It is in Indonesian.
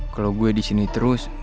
kalo gue disini terus